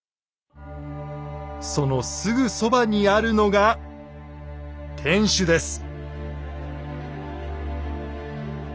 そのすぐそばにあるのが天守です。